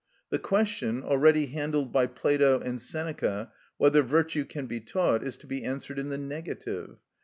The question, already handled by Plato and Seneca, whether virtue can be taught, is to be answered in the negative.